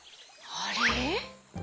あれ？